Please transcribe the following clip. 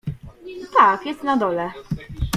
— Tak, jest na dole.